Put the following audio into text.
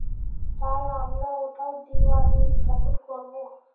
তাই আমরা ওটায় দিওয়ালি উদযাপন করবো।